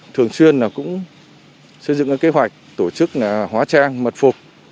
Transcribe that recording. thường xuyên cũng xây dựng kế hoạch tổ chức hóa trang mật phục